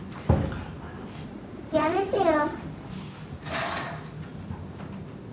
やめてよ。